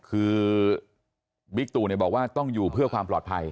คือบิ๊กตู่บอกว่าต้องอยู่เพื่อความปลอดภัย